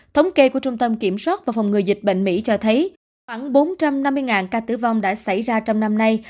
thống kê của trung tâm kiểm soát và phòng ngừa dịch bệnh mỹ cho thấy khoảng bốn trăm năm mươi ca tử vong đã xảy ra trong năm nay